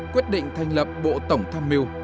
quyết định thành lập bộ tổng tham miu